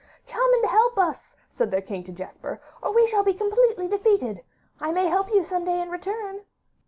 'Come and help us,' said their king to Jesper, 'or we shall be completely defeated. I may help you some day in return.